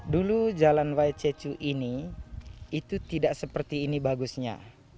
dulu jalan waicecu ini itu tidak seperti ini bagusnya